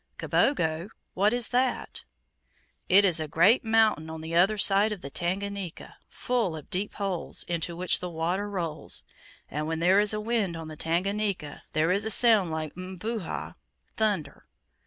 "Kabogo? what is that?" "It is a great mountain on the other side of the Tanganika, full of deep holes, into which the water rolls; and when there is wind on the Tanganika, there is a sound like mvuha (thunder).